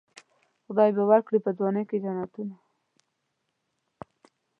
خدای به ورکي په ځوانۍ کې جنتونه.